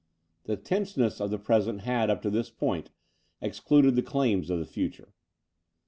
The tenseness of the present had, up to this point, excluded the claims of the future.